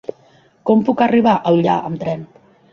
Com puc arribar a Ullà amb tren?